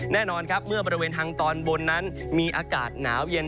แน่นอนครับเมื่อบริเวณทางตอนบนนั้นมีอากาศหนาวเย็น